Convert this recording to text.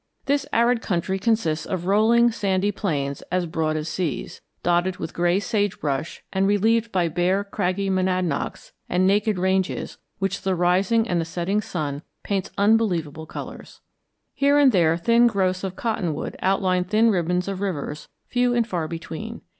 This arid country consists of rolling sandy plains as broad as seas, dotted with gray sage brush and relieved by bare craggy monadnocks and naked ranges which the rising and the setting sun paints unbelievable colors. Here and there thin growths of cottonwood outline thin ribbons of rivers, few and far between.